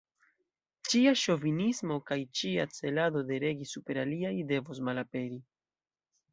Ĉia ŝovinismo kaj ĉia celado de regi super aliaj, devos malaperi.